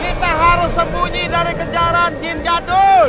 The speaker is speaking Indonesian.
kita harus sembunyi dari kejaran jin jatuh